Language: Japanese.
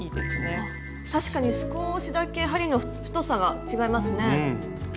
確かに少しだけ針の太さが違いますね。